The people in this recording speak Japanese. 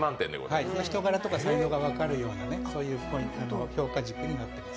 人柄とか才能が分かるように、そういう評価軸になっています。